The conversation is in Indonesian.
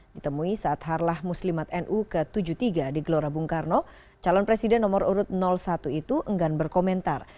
ditemui saat harlah muslimat nu ke tujuh puluh tiga di gelora bung karno calon presiden nomor urut satu itu enggan berkomentar